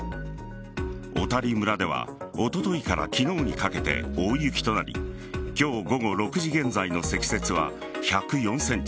小谷村ではおとといから昨日にかけて大雪となり今日午後６時現在の積雪は１０４ｃｍ。